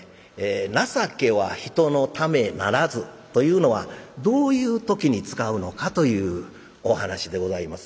「情けは人のためならず」というのはどういう時に使うのかというお噺でございます。